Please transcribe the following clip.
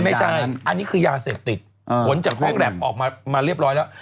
ไม่ใช่อันนี้คือยาเสพติดผลจากห้องแล็บออกมาเรียบร้อยแล้ว